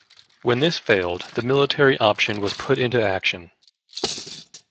When this failed, the military option was put into action.